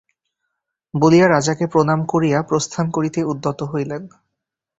বলিয়া রাজাকে প্রণাম করিয়া প্রস্থান করিতে উদ্যত হইলেন।